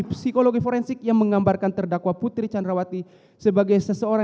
psikologi forensik yang menggambarkan terdakwa putri candrawati sebagai seseorang